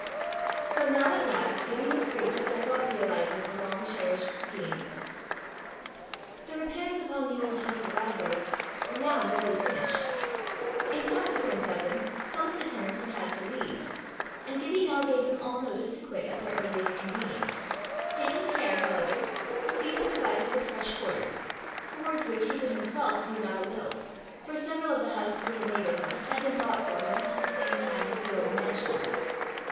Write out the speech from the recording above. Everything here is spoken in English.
So now at last Gibbie was free to set about realizing a long cherished scheme. The repairs upon the Auld Hoose o' Galbraith were now nearly finished. In consequence of them, some of the tenants had had to leave, and Gibbie now gave them all notice to quit at their earliest convenience, taking care, however, to see them provided with fresh quarters, towards which he could himself do not a little, for several of the houses in the neighbourhood had been bought for him at the same time with the old mansion.